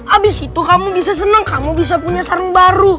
habis itu kamu bisa senang kamu bisa punya sarung baru